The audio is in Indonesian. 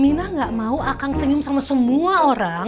minah gak mau akang senyum sama semua orang